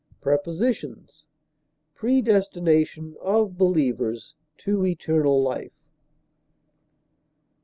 Prepositions: Predestination of believers to eternal life.